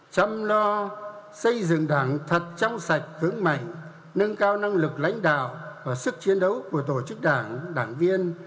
chăm lo xây dựng đảng thật trong sạch vững mạnh nâng cao năng lực lãnh đạo và sức chiến đấu của tổ chức đảng đảng viên